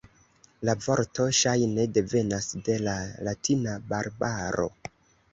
La vorto ŝajne devenas de la latina "barbaro".